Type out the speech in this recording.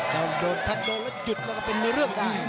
ถ้าโดดถ้าโดดแล้วจุดก็เป็นไม่เรื่องได้